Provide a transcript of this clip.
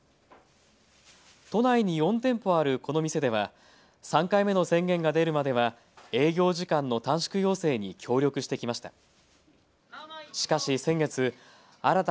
都内に４店舗あるこの店では３回目の宣言が出るまでは営業時間の短縮要請に協力してきました。